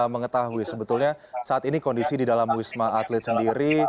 mengetahui sebetulnya saat ini kondisi di dalam wisma atlet sendiri